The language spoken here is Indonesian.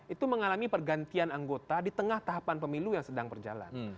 itu mengalami pergantian anggota di tengah tahapan pemilu yang sedang berjalan